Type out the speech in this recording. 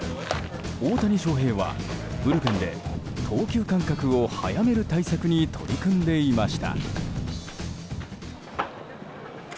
大谷翔平はブルペンで投球間隔を早める対策に取り組んでいました。